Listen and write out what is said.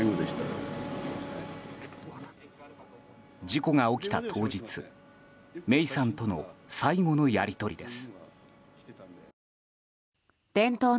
事故が起きた当日芽生さんとの最後のやり取りです。